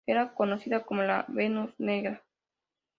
Era conocida como la "Venus Negra".